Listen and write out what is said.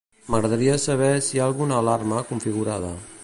M'agradaria saber si hi ha alguna alarma configurada.